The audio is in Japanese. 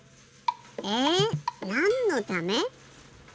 えなんのため？